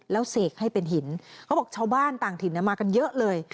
แล้วเสกให้เป็นหินเขาบอกชาวบ้านต่างถิ่นมากันเยอะเลย